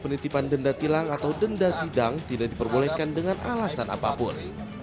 penitipan denda tilang atau denda sidang tidak diperbolehkan dengan alasan apapun